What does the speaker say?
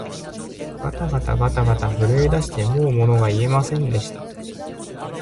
がたがたがたがた、震えだしてもうものが言えませんでした